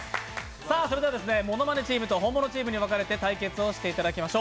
それではものまねチームとホンモノチームに分かれて対決していただきます。